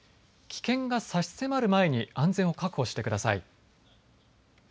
危険が差し迫る前に安全を確保してください。